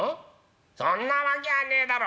そんなわきゃあねえだろ。